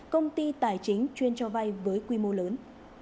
công ty tài chính chuyên cho vay với quy mô lớn